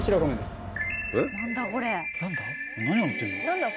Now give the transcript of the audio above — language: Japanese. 何だ？